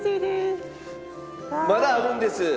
まだあるんです！